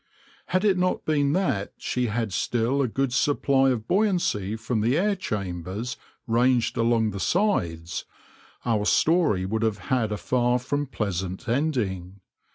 Had it not been that she had still a good supply of buoyancy from the air chambers ranged along the sides, our story would have had a far from pleasant ending.